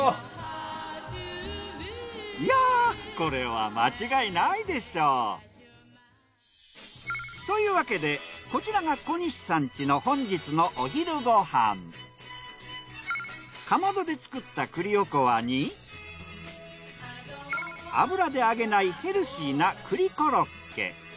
いやこれは間違いないでしょう！というわけでこちらがかまどで作った栗おこわに油で揚げないヘルシーな栗コロッケ。